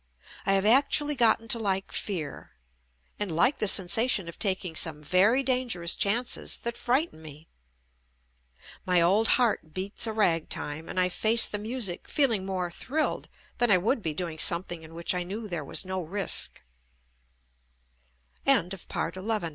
I have actually gotten to like fear, and like the sensation of taking some very dangerous chances that frighten me. My old heart beats a ragtime, and I face the music feeling more thrilled than I would be doing something in which